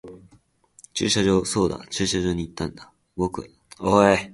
駐車場。そうだ、駐車場に行ったんだ。僕は呟く、声を出す。